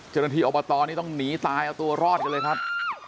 เจ้าหน้าที่อบตนี่ต้องหนีตายเอาตัวรอดกันเลยครับ